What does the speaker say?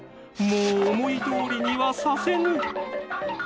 もう思いどおりにはさせぬ！